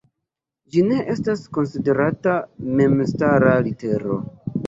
Ĝi ne estas konsiderata memstara litero.